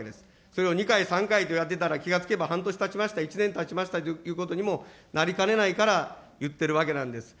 それを２回、３回とやっていたら、気が付けば半年たちました、１年たちましたということにも、なりかねないから言ってるわけなんです。